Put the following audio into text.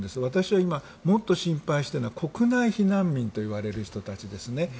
私は今、もっと心配しているのは国内避難民といわれている人たちですね。